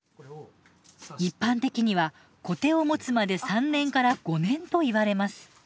一般的にはコテを持つまで３年から５年といわれます。